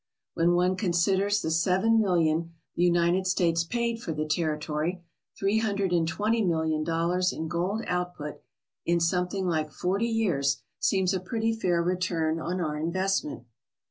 When one considers the seven million the United States paid for the territory, three hundred and twenty million dollars in gold output in something like forty years seems a pretty fair return on our investment.